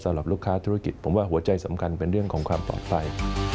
สำหรับลูกค้าธุรกิจผมว่าหัวใจสำคัญเป็นเรื่องของความปลอดภัย